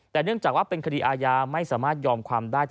แต่เนื่องจากว่าเป็นคดีอาญาไม่สามารถยอมความได้